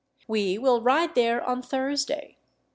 We will ride there on Thursday.